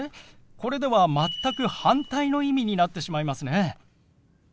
これでは全く反対の意味になってしまいますね。